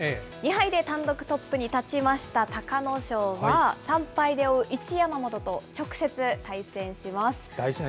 ２敗で単独トップに立ちました隆の勝は、３敗で追う一山本と直接対戦します。